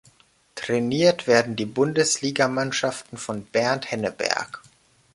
Trainiert werden die Bundesligamannschaften von Bernd Henneberg.